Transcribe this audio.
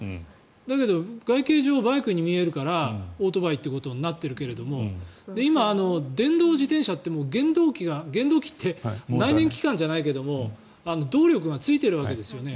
だけど外形上バイクに見えるからオートバイってことになっているけど今、電動自転車って原動機って動力がついているわけですよね。